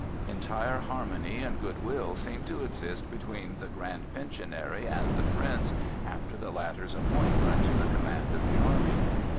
Entire harmony and good will seemed to exist between the Grand Pensionary and the Prince after the latter's appointment to the command of the army.